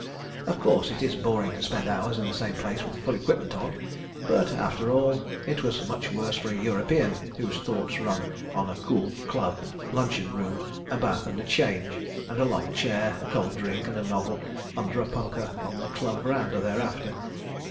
Of course it is boring to spend hours in the same place with full equipment on, but, after all, it was much worse for a European, whose thoughts run on a cool club luncheon room; a bath and change; and a long chair, a cold drink and a novel, under a punkah on the club verandah thereafter.